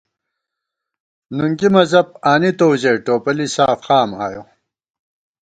نُنگی مذہب آنِتُو ژَئی ٹوپَلی ساف قام آیَہ